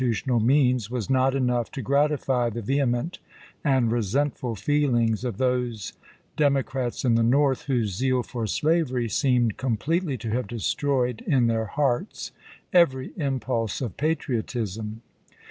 tional means was not enough to gratify the vehement and resentful feelings of those Demo crats in the North whose zeal for slavery seemed completely to have destroyed in their hearts every impulse of patriotism.